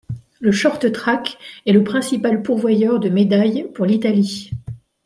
Le short-track est le principal pourvoyeur de médailles pour l'Italie.